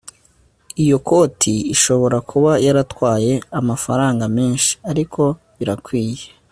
iyo koti ishobora kuba yaratwaye amafaranga menshi, ariko birakwiye